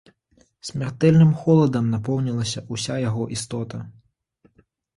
Смяртэльным холадам напоўнілася ўся яго істота.